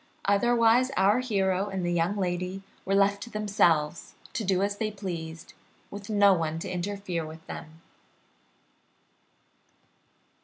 Otherwise our hero and the young lady were left to themselves, to do as they pleased, with no one to interfere with them.